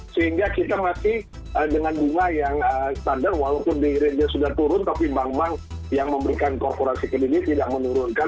sehingga kita masih dengan bunga yang standar walaupun di range nya sudah turun tapi bank bank yang memberikan korporasi kredit tidak menurunkan